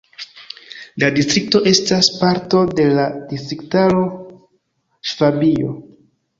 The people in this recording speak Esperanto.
La distrikto estas parto de la distriktaro Ŝvabio.